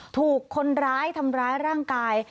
ถูกคนร้ายทำร้ายร่างกาย